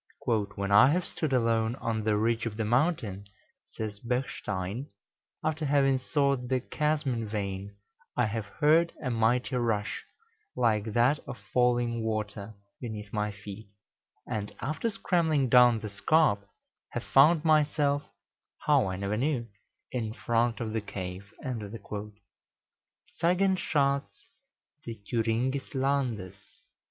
"When I have stood alone on the ridge of the mountain," says Bechstein, "after having sought the chasm in vain, I have heard a mighty rush, like that of falling water, beneath my feet, and after scrambling down the scarp, have found myself how, I never knew in front of the cave." ("Sagenschatz des Thüringes landes," 1835.)